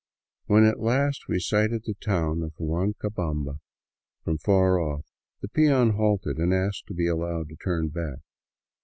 When at last we sighted the town of Huancabamba from far off, the peon halted and asked to be allowed to turn back.